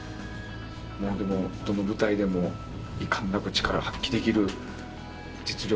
どの舞台でも遺憾なく力を発揮できる実力。